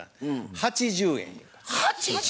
８０円？